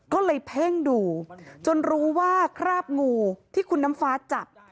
ก็เลยเพ่งดูจนรู้ว่าคราบงูที่คุณน้ำฟ้าจับ